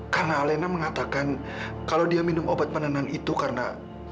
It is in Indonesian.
karena alena mengatakan kalau dia minum obat penanan itu karena